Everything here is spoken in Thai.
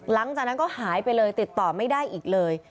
หลังจากนั้นก็หายไปเลยติดต่อไม่ได้อีกเลย